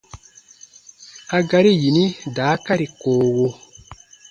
A gari yini daakari koowo :